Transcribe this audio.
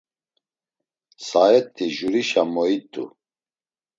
Saet̆i jurişa moit̆u.